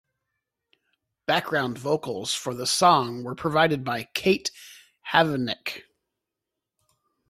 Background vocals for the song were provided by Kate Havnevik.